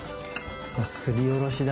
すりおろしだ。